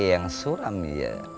yang suram ya